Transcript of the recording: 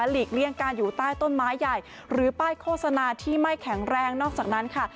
ลีกเลี่ยงการอยู่ใต้ต้นไม้ใหญ่หรือป้ายโฆษณาที่ไม่แข็งแรงนอกจากนั้นค่ะ